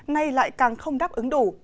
nay lại càng không đáp ứng đủ